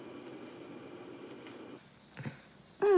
「うん。